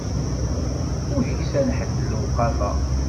Ur iksan ḥedd lewqama.